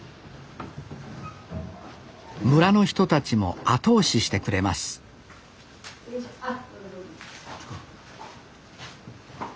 村の人たちも後押ししてくれますこっちか。